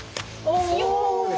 お！